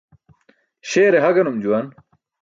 Śeere ha ganum juwan.